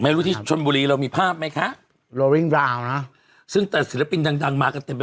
ที่ชนบุรีเรามีภาพไหมคะโล่งราวนะซึ่งแต่ศิลปินดังดังมากันเต็มไป